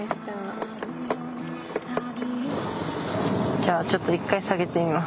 じゃあちょっと一回下げてみます。